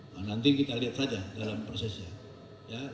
nah nanti kita lihat saja dalam prosesnya